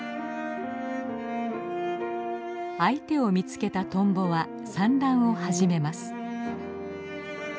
相手を見つけたトンボは産卵を始めます。